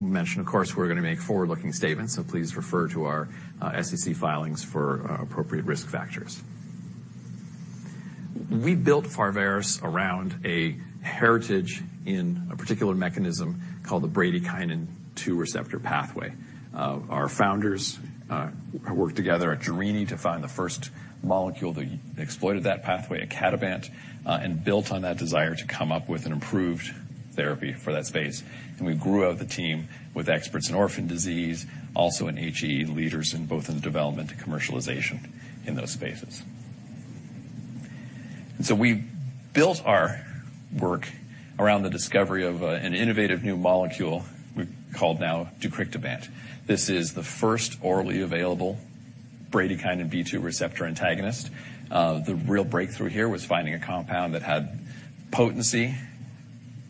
Mention, of course, we're gonna make forward-looking statements, so please refer to our SEC filings for appropriate risk factors. We built Pharvaris around a heritage in a particular mechanism calle d the bradykinin B2 receptor pathway. Our founders worked together at Jerini to find the first molecule that exploited that pathway at icatibant and built on that desire to come up with an improved therapy for that space. We grew out the team with experts in orphan disease, also in HAE, leaders in both in development and commercialization in those spaces. We built our work around the discovery of an innovative new molecule we've called now deucrictibant. This is the first orally available bradykinin B2 receptor antagonist. The real breakthrough here was finding a compound that had potency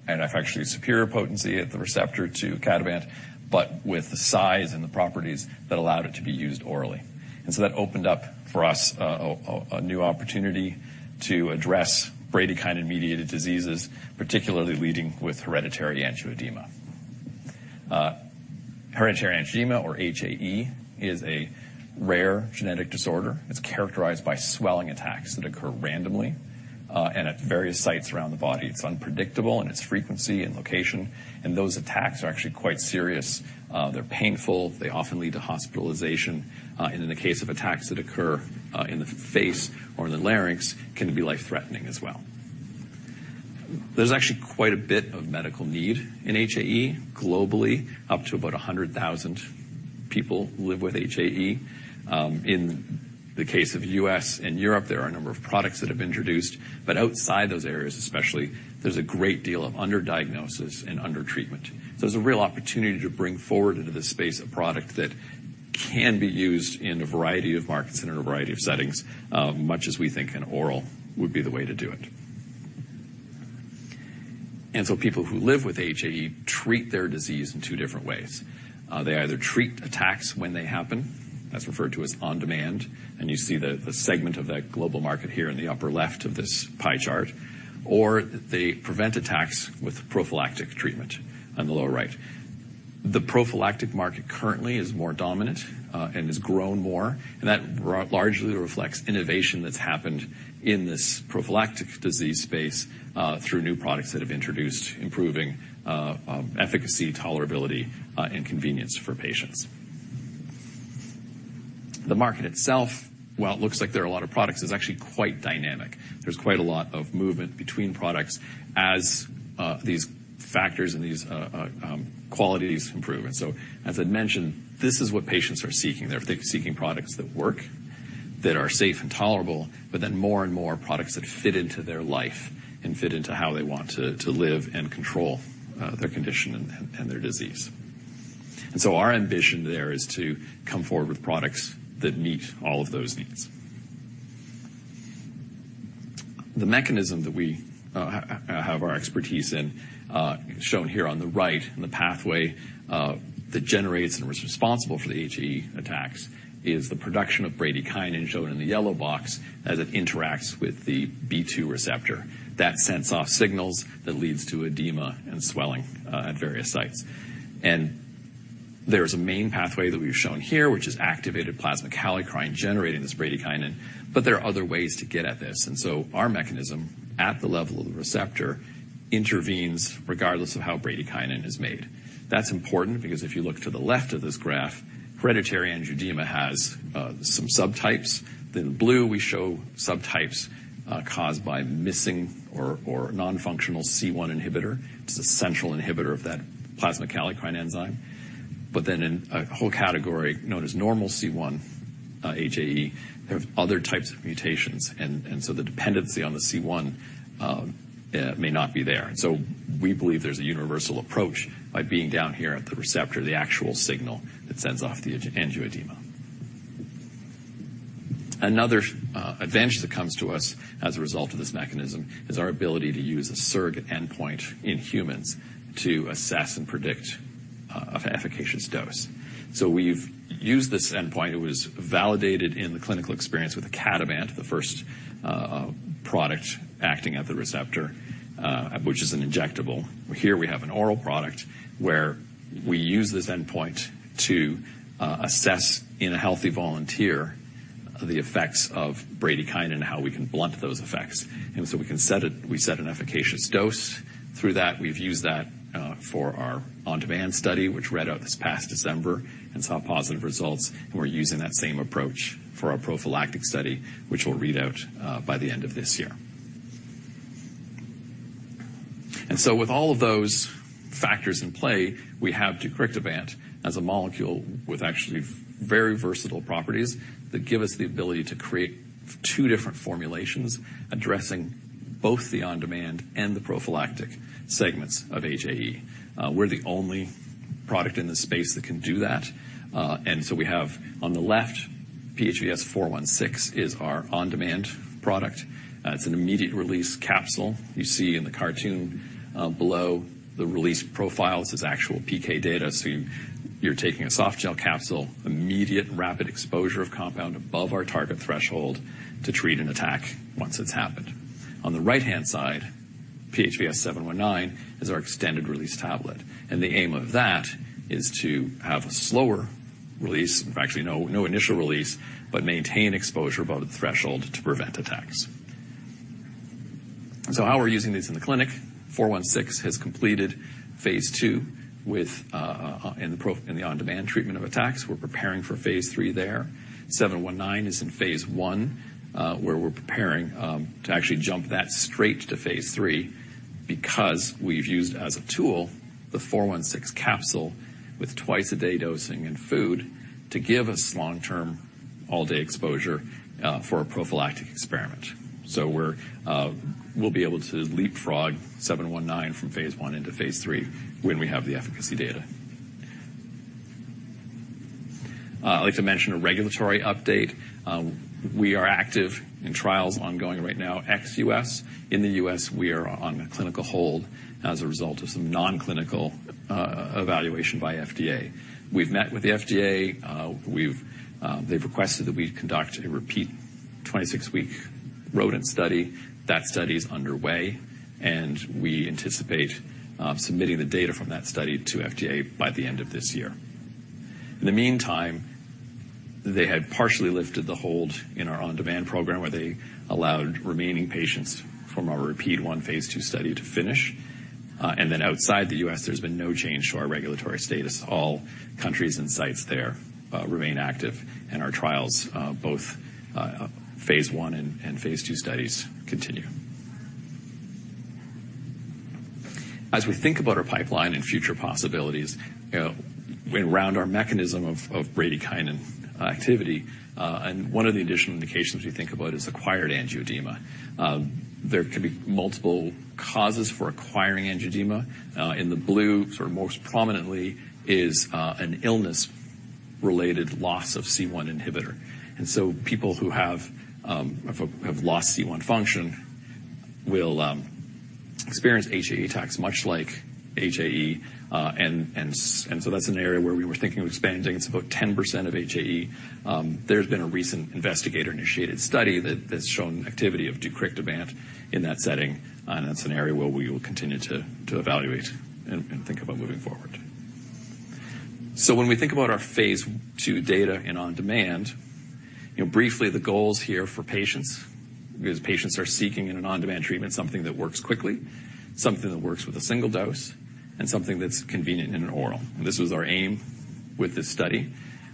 and actually superior potency at the receptor to icatibant, with the size and the properties that allowed it to be used orally. That opened up for us a new opportunity to address bradykinin-mediated diseases, particularly leading with hereditary angioedema. Hereditary angioedema, or HAE, is a rare genetic disorder. It's characterized by swelling attacks that occur randomly and at various sites around the body. It's unpredictable in its frequency and location. Those attacks are actually quite serious. They're painful. They often lead to hospitalization, and in the case of attacks that occur in the face or in the larynx can be life-threatening as well. There's actually quite a bit of medical need in HAE. Globally, up to about 100,000 people live with HAE. In the case of US and Europe, there are a number of products that have introduced. Outside those areas especially, there's a great deal of underdiagnosis and undertreatment. There's a real opportunity to bring forward into this space a product that can be used in a variety of markets and in a variety of settings, much as we think an oral would be the way to do it. People who live with HAE treat their disease in 2 different ways. They either treat attacks when they happen, that's referred to as on-demand, and you see the segment of that global market here in the upper left of this pie chart. They prevent attacks with prophylactic treatment on the lower right. The prophylactic market currently is more dominant and has grown more, and that largely reflects innovation that's happened in this prophylactic disease space through new products that have introduced improving efficacy, tolerability, and convenience for patients. The market itself, while it looks like there are a lot of products, is actually quite dynamic. There's quite a lot of movement between products as these factors and these qualities improve. As I'd mentioned, this is what patients are seeking. They're seeking products that work, that are safe and tolerable, but then more and more products that fit into their life and fit into how they want to live and control their condition and their disease. Our ambition there is to come forward with products that meet all of those needs. The mechanism that we have our expertise in, shown here on the right, and the pathway that generates and was responsible for the HAE attacks is the production of bradykinin, shown in the yellow box, as it interacts with the B2 receptor. That sends off signals that leads to edema and swelling at various sites. There's a main pathway that we've shown here, which is activated plasma kallikrein generating this bradykinin, but there are other ways to get at this. So our mechanism at the level of the receptor intervenes regardless of how bradykinin is made. That's important because if you look to the left of this graph, hereditary angioedema has some subtypes. The blue we show subtypes caused by missing or non-functional C1 inhibitor. It's a central inhibitor of that plasma kallikrein enzyme. In a whole category known as normal C1 HAE have other types of mutations. The dependency on the C1 may not be there. We believe there's a universal approach by being down here at the receptor, the actual signal that sends off the angioedema. Another advantage that comes to us as a result of this mechanism is our ability to use a surrogate endpoint in humans to assess and predict an efficacious dose. We've used this endpoint. It was validated in the clinical experience with icatibant, the first product acting at the receptor, which is an injectable. Here we have an oral product where we use this endpoint to assess in a healthy volunteer the effects of bradykinin and how we can blunt those effects. We can set a. We set an efficacious dose. Through that, we've used that, for our on-demand study, which read out this past December and saw positive results. We're using that same approach for our prophylactic study, which we'll read out by the end of this year. With all of those factors in play, we have deucrictibant as a molecule with actually very versatile properties that give us the ability to create two different formulations addressing both the on-demand and the prophylactic segments of HAE. We're the only product in this space that can do that. We have on the left PHVS416 is our on-demand product. It's an immediate-release capsule. You see in the cartoon below the release profiles, it's actual PK data. You're taking a softgel capsule, immediate rapid exposure of compound above our target threshold to treat an attack once it's happened. On the right-hand side, PHVS719 is our extended-release tablet, and the aim of that is to have a slower release. Actually, no initial release, but maintain exposure above the threshold to prevent attacks. How we're using these in the clinic, PHVS416 has completed Phase 2 in the on-demand treatment of attacks. We're preparing for Phase 3 there. PHVS719 is in Phase 1, where we're preparing to actually jump that straight to Phase 3 because we've used as a tool the PHVS416 capsule with twice-a-day dosing and food to give us long-term, all-day exposure for a prophylactic experiment. We'll be able to leapfrog PHVS719 from Phase 1 into Phase 3 when we have the efficacy data. I'd like to mention a regulatory update. We are active in trials ongoing right now ex-U.S. In the U.S., we are on a clinical hold as a result of some non-clinical evaluation by FDA. We've met with the FDA. They've requested that we conduct a repeat 26-week rodent study. That study is underway, and we anticipate submitting the data from that study to FDA by the end of this year. They had partially lifted the hold in our on-demand program, where they allowed remaining patients from our repeat one Phase 2 study to finish. Outside the US, there's been no change to our regulatory status. All countries and sites there remain active, and our trials, both Phase 1 and Phase 2 studies continue. As we think about our pipeline and future possibilities, you know, around our mechanism of bradykinin activity, and one of the additional indications we think about is acquired angioedema. There can be multiple causes for acquired angioedema. In the blue sort of most prominently is an illness-related loss of C1 inhibitor. People who have lost C1 function will experience HAE attacks much like HAE. That's an area where we were thinking of expanding. It's about 10% of HAE. There's been a recent investigator-initiated study that's shown activity of deucrictibant on-demand in that setting, and that's an area where we will continue to evaluate and think about moving forward. When we think about our Phase 2 data in on-demand, you know, briefly, the goals here for patients, because patients are seeking in an on-demand treatment something that works quickly, something that works with a single dose, and something that's convenient and an oral. This was our aim with this study.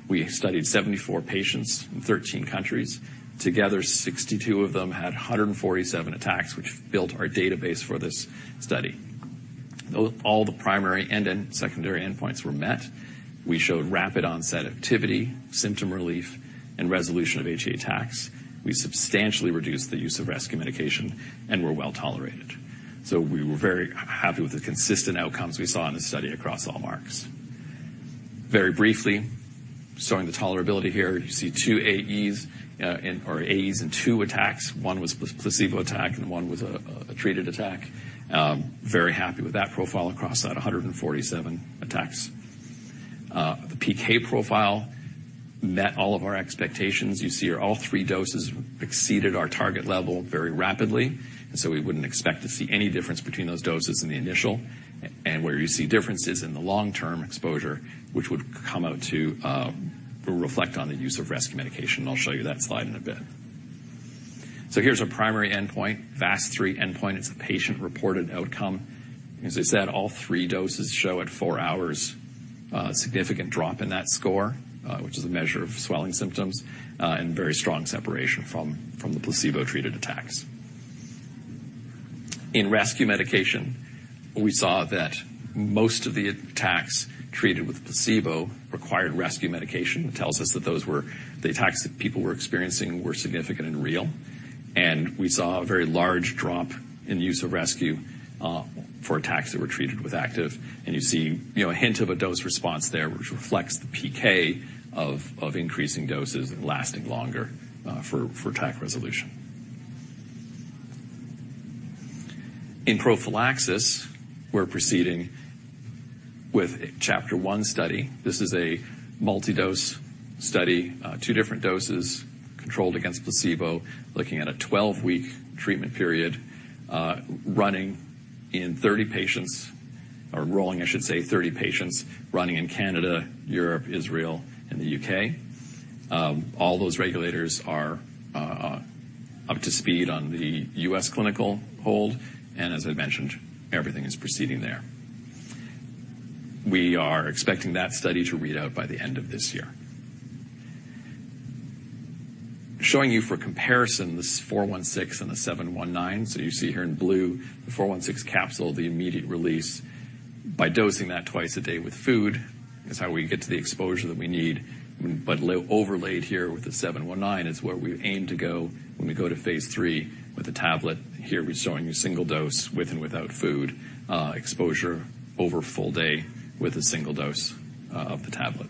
We studied 74 patients in 13 countries. Together, 62 of them had 147 attacks, which built our database for this study. All the primary and then secondary endpoints were met. We showed rapid onset activity, symptom relief, and resolution of HAE attacks. We substantially reduced the use of rescue medication and were well-tolerated. We were very happy with the consistent outcomes we saw in the study across all marks. Very briefly, showing the tolerability here. You see 2 AEs in 2 attacks. 1 was placebo attack, and 1 was a treated attack. Very happy with that profile across that 147 attacks. The PK profile met all of our expectations. You see all 3 doses exceeded our target level very rapidly, we wouldn't expect to see any difference between those doses in the initial. Where you see differences in the long-term exposure, which would come out to reflect on the use of rescue medication. I'll show you that slide in a bit. Here's our primary endpoint, FAST-3 endpoint. It's a patient-reported outcome. As I said, all 3 doses show at 4 hours a significant drop in that score, which is a measure of swelling symptoms, and very strong separation from the placebo-treated attacks. In rescue medication, we saw that most of the attacks treated with placebo required rescue medication. It tells us that those were the attacks that people were experiencing were significant and real. We saw a very large drop in use of rescue for attacks that were treated with active. You see, you know, a hint of a dose response there, which reflects the PK of increasing doses lasting longer for attack resolution. In prophylaxis, we're proceeding with a CHAPTER-1 study. This is a multi-dose study, two different doses controlled against placebo, looking at a 12-week treatment period, running in 30 patients or rolling, I should say, 30 patients running in Canada, Europe, Israel, and the U.K. All those regulators are up to speed on the U.S. clinical hold, as I mentioned, everything is proceeding there. We are expecting that study to read out by the end of this year. Showing you for comparison, this PHVS416 and the PHVS719. You see here in blue, the PHVS416 capsule, the immediate-release. By dosing that twice a day with food is how we get to the exposure that we need. Overlaid here with the PHVS719 is where we aim to go when we go to Phase 3 with the tablet. Here we're showing you single-dose with and without food, exposure over a full-day with a single-dose of the tablet.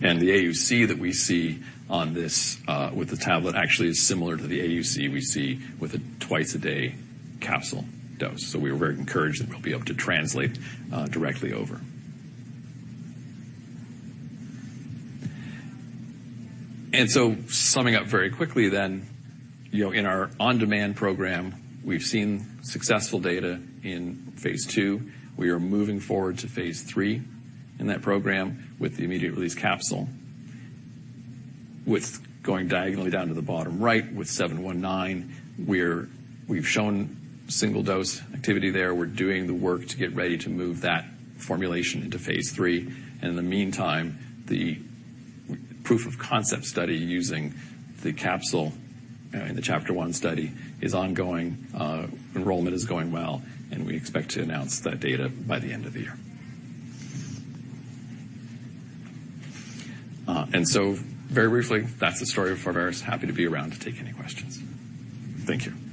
The AUC that we see on this, with the tablet actually is similar to the AUC we see with a twice-a-day capsule dose. We're very encouraged that we'll be able to translate directly over. Summing up very quickly, you know, in our on-demand program, we've seen successful data in Phase 2. We are moving forward to Phase 3 in that program with the immediate-release capsule. With going diagonally down to the bottom right with PHVS719, we've shown single-dose activity there. We're doing the work to get ready to move that formulation into Phase 3. In the meantime, the proof-of-concept study using the capsule, in the CHAPTER-1 study is ongoing. Enrollment is going well, and we expect to announce that data by the end of the year. Very briefly, that's the story of Pharvaris. Happy to be around to take any questions. Thank you.